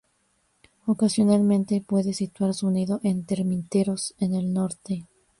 Ocasionalmente puede situar su nido en termiteros en el norte.